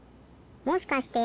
もしかして。